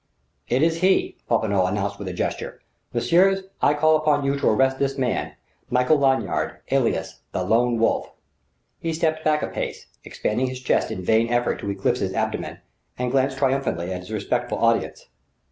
"It is he!" Popinot announced with a gesture. "Messieurs, I call upon you to arrest this man, Michael Lanyard, alias 'The Lone Wolf.'" He stepped back a pace, expanding his chest in vain effort to eclipse his abdomen, and glanced triumphantly at his respectful audience.